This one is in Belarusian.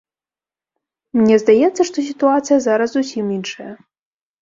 Мне здаецца, што сітуацыя зараз зусім іншая.